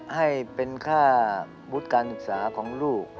ให้เป็นค่าวุฒิการศึกษาของลูก